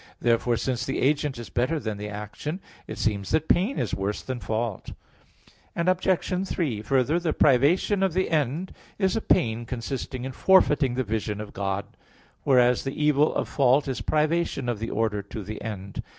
Therefore, since the agent is better than the action, it seems that pain is worse than fault. Obj. 3: Further, the privation of the end is a pain consisting in forfeiting the vision of God; whereas the evil of fault is privation of the order to the end.